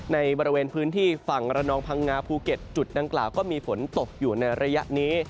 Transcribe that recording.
ในบริเวณพื้นที่ฝั่งระนองพังงาภูเก็ตจุดดังกล่าวก็มีฝนตกอยู่ในระยะนี้